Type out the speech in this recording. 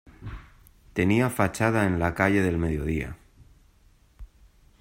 Tenía fachada en la calle del Mediodía.